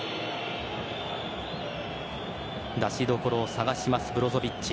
出しどころを探しますブロゾヴィッチ。